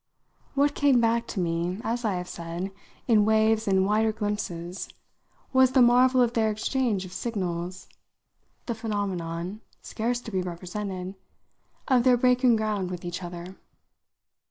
What came back to me, as I have said, in waves and wider glimpses, was the marvel of their exchange of signals, the phenomenon, scarce to be represented, of their breaking ground with each other.